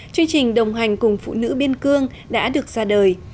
chương trình đồng hành cùng phụ nữ biên cương đã được ra đời